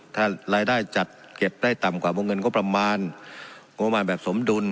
ถ้ารายได้จัดเก็บได้ต่ำกว่าวงเงินงบประมาณงบประมาณแบบสมดุล